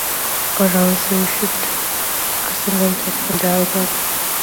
Aura also issued "Razorblades", a single taken from the album.